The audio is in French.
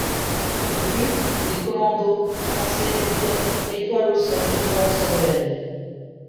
De plus, des commandos français et britanniques épaulent au sol les forces rebelles.